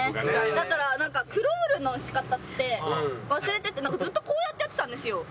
だからなんかクロールの仕方って忘れててずっとこうやってやってたんですよ。